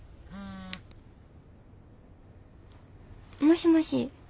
もしもし。